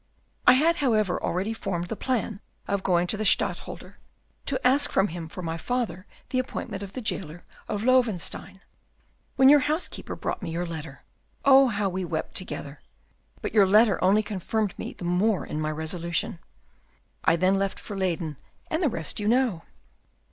I had, however, already formed the plan of going to the Stadtholder, to ask from him for my father the appointment of jailer of Loewestein, when your housekeeper brought me your letter. Oh, how we wept together! But your letter only confirmed me the more in my resolution. I then left for Leyden, and the rest you know."